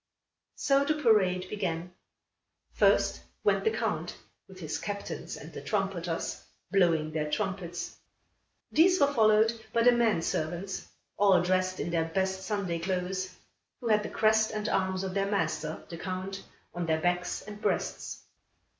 So the parade began. First went the Count, with his captains and the trumpeters, blowing their trumpets. These were followed by the men servants, all dressed in their best Sunday clothes, who had the crest and arms of their master, the Count, on their backs and breasts.